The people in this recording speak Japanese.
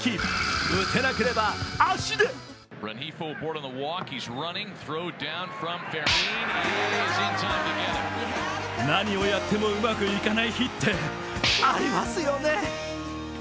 打てなければ足で何をやってもうまくいかない日って、ありますよね。